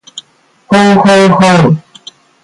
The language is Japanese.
ほうほうほう